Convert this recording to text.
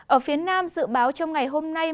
ở phía nam dự báo trong ngày hôm nay